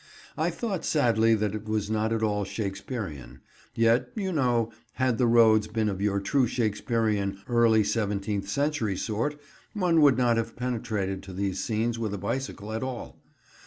I thought sadly that it was not at all Shakespearean; yet, you know, had the roads been of your true Shakespearean early seventeenth century sort, one would not have penetrated to these scenes with a bicycle at all.